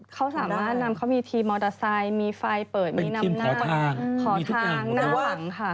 เขาสามารถนำเขามีทีมมอเตอร์ไซค์มีไฟเปิดมีนำหน้าขอทางนั่งหลังค่ะ